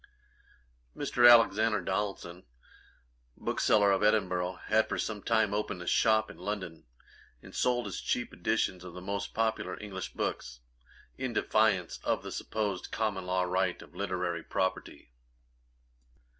Mr. Alexander Donaldson, bookseller of Edinburgh, had for some time opened a shop in London, and sold his cheap editions of the most popular English books, in defiance of the supposed common law right of Literary Property.